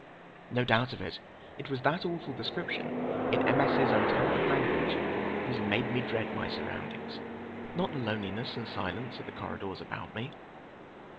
No doubt of it, it was that awful description in M. S.'s untempered language that had made me dread my surroundings, not the loneliness and silence of the corridors about me.